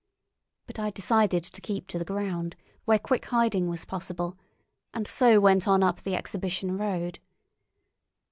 But I decided to keep to the ground, where quick hiding was possible, and so went on up the Exhibition Road.